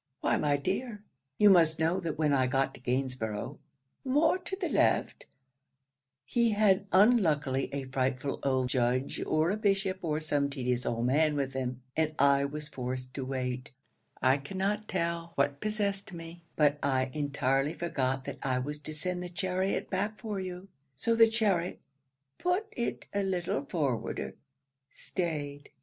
'Why, my dear, you must know that when I got to Gainsborough's [more to the left] he had unluckily a frightful old judge, or a bishop, or some tedious old man with him, and I was forced to wait: I cannot tell what possessed me, but I entirely forgot that I was to send the chariot back for you. So the chariot [put it a little forwarder] staid.